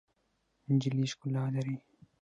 نجلۍ ښکلا لري.